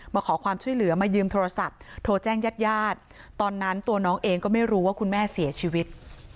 มาขอความช่วยเหลือมายืมโทรศัพท์โทรแจ้งญาติญาติตอนนั้นตัวน้องเองก็ไม่รู้ว่าคุณแม่เสียชีวิต